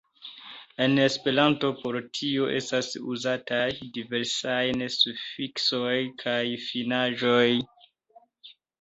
En Esperanto por tio estas uzataj diversaj sufiksoj kaj finaĵoj.